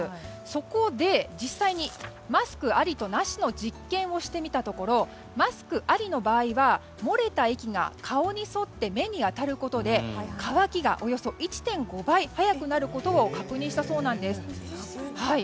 そこで、実際にマスクありとなしの実験をしてみたところマスクありの場合は漏れた液が顔に沿って目に当たることで乾きがおよそ１．５倍早くなることを確認したそうなんです。